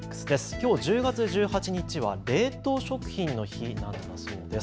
きょう１０月１８日は冷凍食品の日なんです。